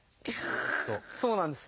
そうなんです。